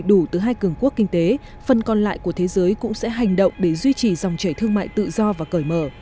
đầy đủ từ hai cường quốc kinh tế phần còn lại của thế giới cũng sẽ hành động để duy trì dòng chảy thương mại tự do và cởi mở